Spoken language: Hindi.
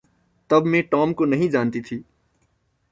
तब मैं टॉम को नहीं जानती थी।